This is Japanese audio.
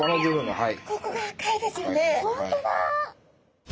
はい！